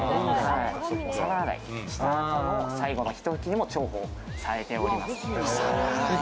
皿洗いした後の最後のひと拭きにも重宝されております。